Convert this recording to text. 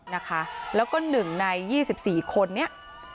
นะคะแล้วก็๑ใน๒๔คนนี้